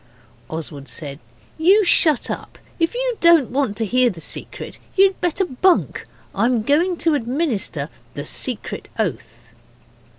Oswald said, 'You shut up. If you don't want to hear the secret you'd better bunk. I'm going to administer the secret oath.